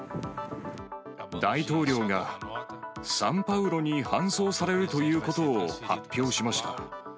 大統領が、サンパウロに搬送されるということを発表しました。